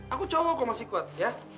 aku cowok kok masih kuat ya